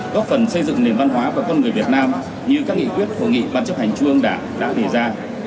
góp phần xây dựng nền văn hóa của con người việt nam như các nghị quyết phổ nghị bản chấp hành chuông đảng đã đề ra